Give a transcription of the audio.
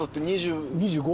２５。